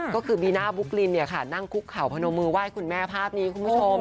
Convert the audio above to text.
ก็คือบีน่าบุ๊กลินนั่งคุกเข่าพนมมือไหว้คุณแม่ภาพนี้คุณผู้ชม